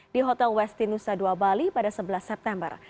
di hotel westinus ii bali pada sebelas september